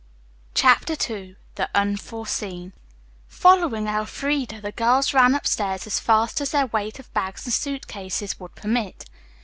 CHAPTER II THE UNFORESEEN Following Elfreda, the girls ran upstairs as fast as their weight of bags and suit cases would permit.